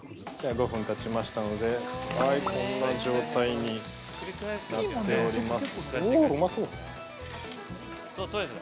５分たちましたので、こんな状態になっております。